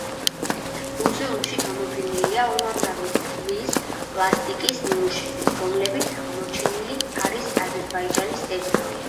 მუზეუმში გამოფენილია უამრავი ქვის პლასტიკის ნიმუშები, რომლებიც აღმოჩენილი არის აზერბაიჯანის ტერიტორიაზე.